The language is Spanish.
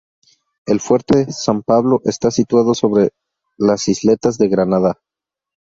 El Fuerte San Pablo está situado sobre las isletas de Granada.